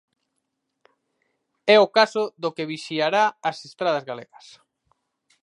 É o caso do que vixiará as estradas galegas.